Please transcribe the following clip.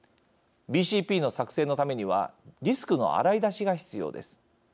ＢＣＰの作成のためにはリスクの洗い出しが必要です。